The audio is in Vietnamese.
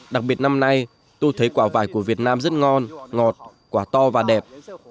đặc biệt năm nay tôi thấy quả vải của việt nam rất ngon ngọt quả to và đẹp